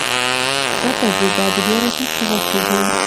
ښه تجربه د بیا راتګ سبب کېږي.